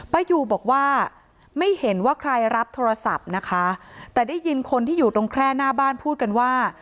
ป้ายูบอกว่าไม่เห็นว่าใครรับโทรศัพท์นะคะแต่ได้ยินคนที่อยู่ตรงแคร่หน้าบ้านพูดกันว่า